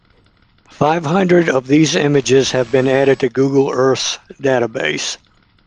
Five hundred of these images have been added to Google Earth's database.